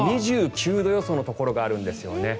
２９度予想のところがあるんですよね。